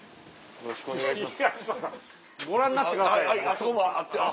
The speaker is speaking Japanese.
よろしくお願いします。